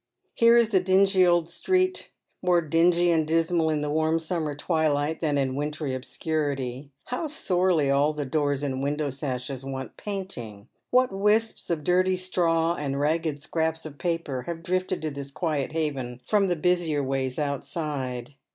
Here is the dingy old sti'eet, more dingy and dismal in the warm summer twilight than in wintry obscurity. How sorely all the doors and window sashes want painting! what wisps of dirty straw and ragged scraps of paper have drifted to this quiet haven from the busier ways outside.